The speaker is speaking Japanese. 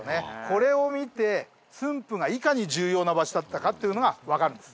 これを見て駿府がいかに重要な場所だったかっていうのがわかるんです。